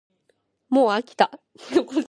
もうあきた